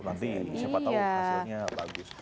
nanti siapa tahu hasilnya bagus